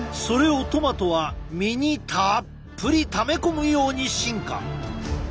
それをトマトは実にたっぷりため込むように進化。